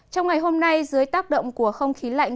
trong ngày hôm nay dưới tác động của không khí lạnh